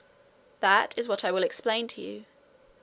'That is what I will explain to you.